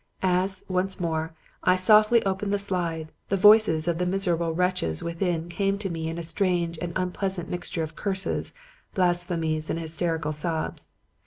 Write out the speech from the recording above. "As, once more, I softly opened the slide, the voices of the miserable wretches within came to me in a strange and unpleasant mixture of curses, blasphemies and hysterical sobs.